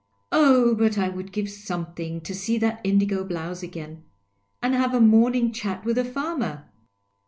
Oh, but I would give something to see that indigo blouse again, and have a morning chat with the farmer